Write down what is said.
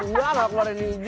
gimana keluarin nidji